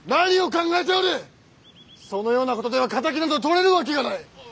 そのようなことでは敵など取れるわけがない！